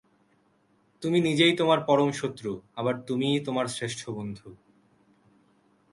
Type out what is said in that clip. তুমি নিজেই তোমার পরম শত্রু, আবার তুমিই তোমার শ্রেষ্ঠ বন্ধু।